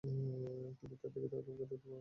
তুমি তার দিকে তাকালে আমাকে দেখতে পাবে।